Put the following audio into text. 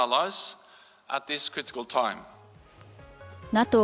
ＮＡＴＯ